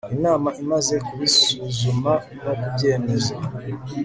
inama imaze kubisuzuma no kubyemeza